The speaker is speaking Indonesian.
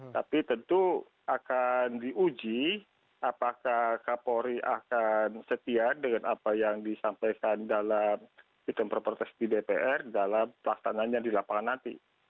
tapi tentu akan diuji apakah kapolri akan setia dengan apa yang disampaikan dalam fit and proper test di dpr dalam pelaksananya di lapangan nanti